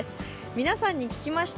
皆さんに聞きました。